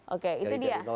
oke itu dia